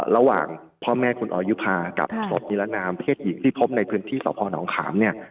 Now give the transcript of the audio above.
ระหว่างพ่อแม่คุณออยยุภากับสตร์นิรนามเพศหญิงที่พบในพื้นที่สะพานองคาม